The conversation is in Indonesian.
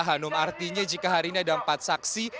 hanum artinya jika hari ini ada empat saksi